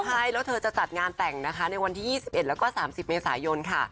ใช่แล้วเธอจะจัดงานแต่งนะคะในวันที่๒๑แล้วก็๓๐เมษายนค่ะ